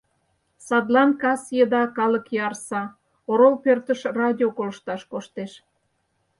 Садлан кас еда калык ярса, орол пӧртыш радио колышташ коштеш...